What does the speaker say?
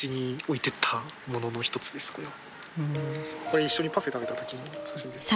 これ一緒にパフェ食べたときの写真です。